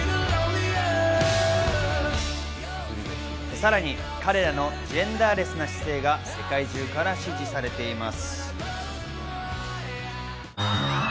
さらに彼らのジェンダーレスな姿勢が世界中から支持されています。